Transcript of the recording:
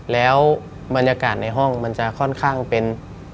แล้วบรรยากาศในห้องมันจะค่อนข้างเป็น